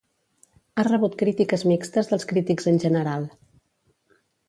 Ha rebut crítiques mixtes dels crítics en general.